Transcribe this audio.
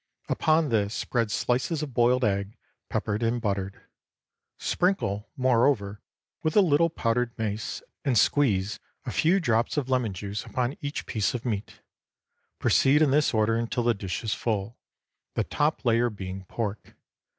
Upon this spread slices of boiled egg, peppered and buttered. Sprinkle, moreover, with a little powdered mace, and squeeze a few drops of lemon juice upon each piece of meat. Proceed in this order until the dish is full, the top layer being pork.